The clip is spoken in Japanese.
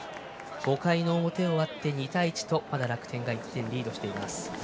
５回の表、終わって２対１とまだ楽天が１点リードしています。